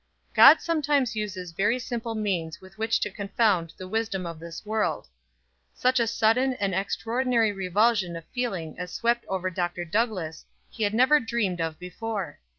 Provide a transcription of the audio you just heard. God sometimes uses very simple means with which to confound the wisdom of this world. Such a sudden and extraordinary revulsion of feeling as swept over Dr. Douglass he had never dreamed of before.